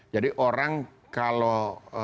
jadi orang kalau